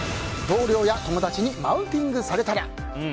同僚や友達にマウンティングされたら。